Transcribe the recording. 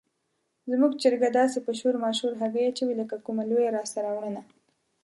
زموږ چرګه داسې په شور ماشور هګۍ اچوي لکه کومه لویه لاسته راوړنه.